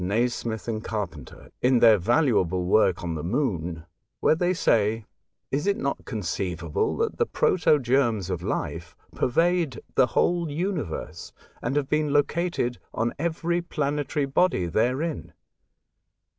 Nasmyth and Carpenter, in their valuable work on the Moon, where they say, ''Is it not conceivable that the protogerms of life pervade the whole universe, and have been located on every planetary body therein